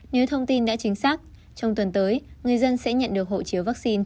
nếu thông tin đã chính xác trong tuần tới người dân sẽ nhận được hộ chiếu vaccine